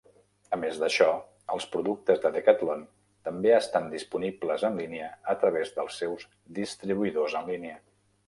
A més d'això, els productes de Decathlon també estan disponibles en línia a través dels seus distribuïdors en línia.